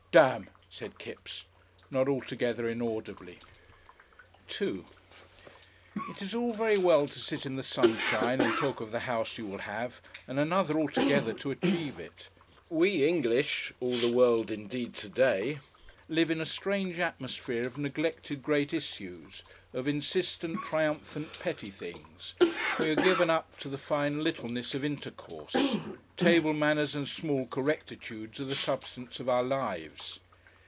"Demn!" said Kipps, not altogether inaudibly. §2 It is all very well to sit in the sunshine and talk of the house you will have, and another altogether to achieve it. We English all the world indeed to day live in a strange atmosphere of neglected great issues, of insistent, triumphant petty things, we are given up to the fine littlenesses of intercourse; table manners and small correctitudes are the substance of our lives.